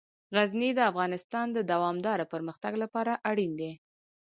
غزني د افغانستان د دوامداره پرمختګ لپاره اړین دي.